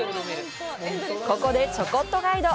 ここでちょこっとガイド！